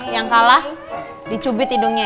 yang kalah dicubit hidungnya